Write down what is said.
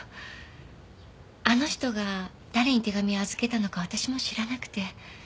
あの人が誰に手紙を預けたのか私も知らなくて。